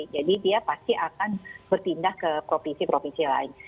jadi dia pasti akan bertindak ke provinsi provinsi lain